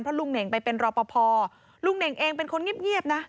ลุงเน่งไปเป็นรอปภลุงเน่งเองเป็นคนเงียบนะ